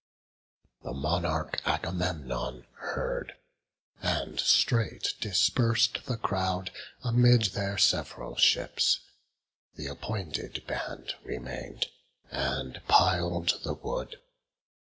The monarch Agamemnon heard, and straight Dispers'd the crowd amid their sev'ral ships. Th' appointed band remain'd, and pil'd the wood.